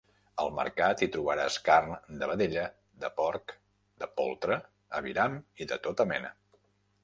Al Mercat hi trobaràs carn de vedella, de porc, de poltre, aviram i de tota mena.